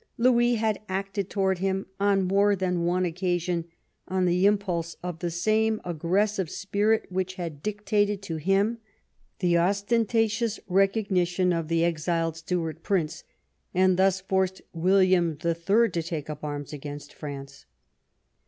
Louis had acted towards him, on more than one occasion, on the impulse of the same aggressive spirit which had dictated to him the ostentatious rec ognition of the exiled Stuart prince, and thus forced William the Third to take up arms against France.